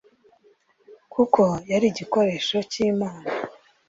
kuko yari igikoresho cyimana